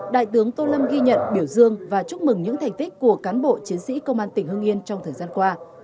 đại tướng tô lâm ghi nhận biểu dương và chúc mừng những thành tích của cán bộ chiến sĩ công an tỉnh hương yên trong thời gian qua